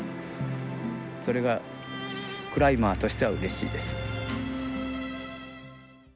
それがクライマーとしてはうれしいです。